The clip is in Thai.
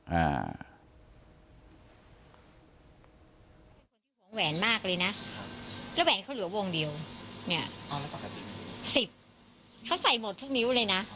แหวนมากเลยนะแล้วแหวนเขาเหลือวงเดียวสิบเขาใส่หมดทุกนิ้วเลยนะ